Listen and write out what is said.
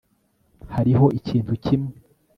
hariho ikintu kimwe